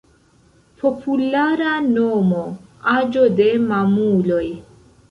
Populara nomo: Aĝo de Mamuloj.